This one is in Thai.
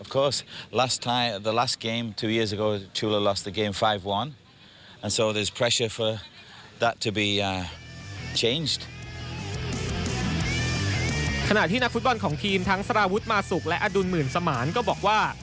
ขณะที่นักฟุตบอลของทีมทั้งสารวุฒิมาสุกและอดุลหมื่นสมานก็บอกว่า